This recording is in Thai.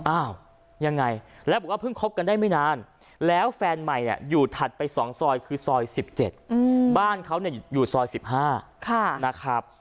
อ้าวยังไงแล้วบอกว่าเพิ่งคบกันได้ไม่นานแล้วแฟนใหม่อยู่ถัดไป๒ซอยคือซอย๑๗บ้านเขาอยู่ซอย๑๕นะครับ